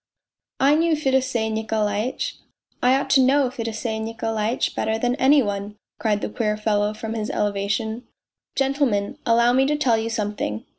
" I knew Fedosey Nikolaitch. I ought to know Fedosey Nikolai tch better than any one !" cried the queer fellow from his elevation. " Gentlemen, allow me to tell you something.